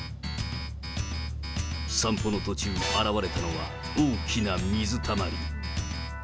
散歩の途中現れたのは、大きな水たまり。